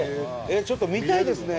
ちょっと見たいですね。